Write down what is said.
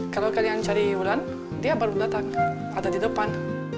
kalau kalian cari iuran dia baru datang atau di depan